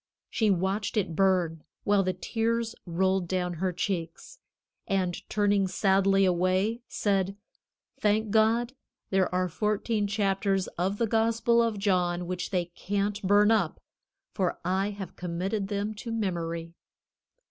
She watched it burn, while the tears rolled down her cheeks, and turning sadly away, said: "Thank God, there are fourteen chapters of the Gospel of John which they can't burn up, for I have committed them to memory."